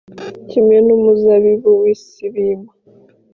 kimwe n’umuzabibu w’i Sibima,